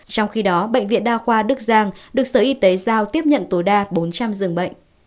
trong khi đó bệnh viện đa khoa đức giang được sở y tế giao tiếp nhận tối đa bốn trăm linh dường bệnh